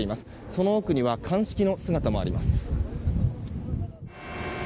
その奥には鑑識の姿もあります。